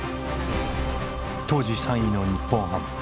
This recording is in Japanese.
当時３位の日本ハム。